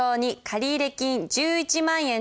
借入金が１１万円。